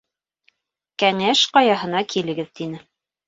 Кәңәш Ҡаяһына килегеҙ! — тине.